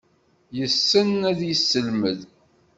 Yessen ad yesselmed.